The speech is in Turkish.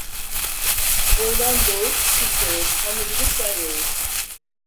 Oğlan doğur, kız doğur; hamurunu sen yoğur.